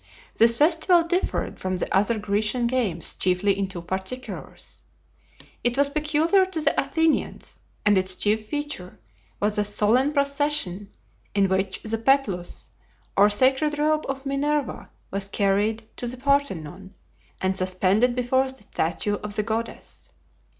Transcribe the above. This festival differed from the other Grecian games chiefly in two particulars. It was peculiar to the Athenians, and its chief feature was a solemn procession in which the Peplus, or sacred robe of Minerva, was carried to the Parthenon, and suspended before the statue of the goddess.